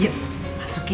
yuk masuk ya